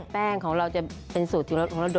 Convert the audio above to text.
แป้งของเราเป็นสูตร